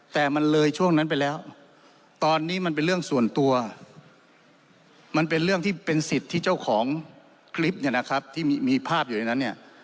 แต่มันเลยช่วงนั้นไปแล้วตอนนี้มันเป็นเรื่องส่วนตัวมันเป็นเรื่องที่เป็นสิทธิ์ที่เจ้าของคลิปเนี่ยนะครับที่มีภาพอยู่ในนั้นเนี่ย